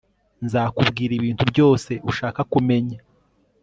nzakubwira ibintu byose ushaka kumenya